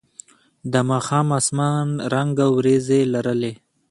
د ماښام اسمان رنګه ورېځې لرلې.